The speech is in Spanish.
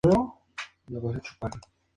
No resiste heladas.